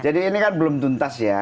jadi ini kan belum tuntas ya